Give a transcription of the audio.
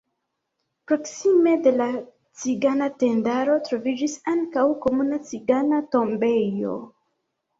Proksime de la cigana tendaro troviĝis ankaŭ komuna cigana tombejo.